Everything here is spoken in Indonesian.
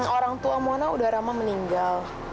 orang tua mona udah lama meninggal